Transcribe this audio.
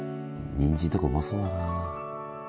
にんじんとかうまそうだな。